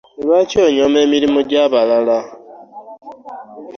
Lwaki onyooma emirimu gya balala.